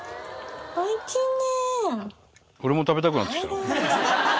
おいちいね。